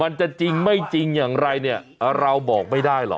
มันจะจริงไม่จริงอย่างไรเนี่ยเราบอกไม่ได้หรอก